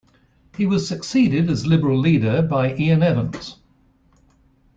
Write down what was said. He was succeeded as Liberal leader by Iain Evans.